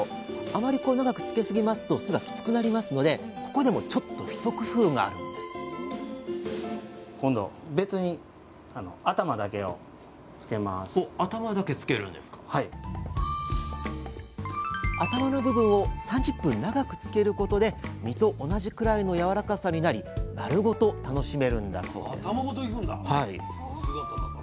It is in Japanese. あまり長くつけすぎますと酢がきつくなりますのでここでもちょっと一工夫があるんです頭の部分を３０分長くつけることで身と同じくらいのやわらかさになり丸ごと楽しめるんだそうです